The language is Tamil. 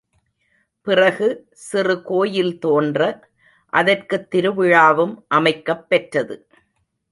பிறகு சிறு கோயில் தோன்ற, அதற்குத் திருவிழாவும் அமைக்கப் பெற்றது.